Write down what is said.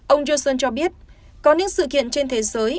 ông johnson cho biết có những sự kiện trên thế giới